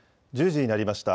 １０時になりました。